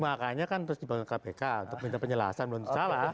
makanya kan terus dibangun kpk untuk minta penjelasan belum salah